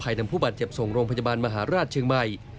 นำผู้บาดเจ็บส่งโรงพยาบาลมหาราชเชียงใหม่